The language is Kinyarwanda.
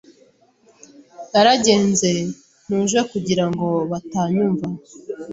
Naragenze ntuje kugira ngo batanyumva.